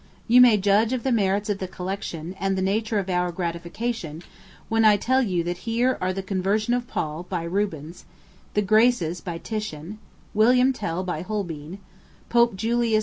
You may judge of the merits of the collection, and the nature of our gratification, when I tell you that here are the Conversion of Paul, by Rubens; the Graces, by Titian; William Tell, by Holbein; Pope Julius II.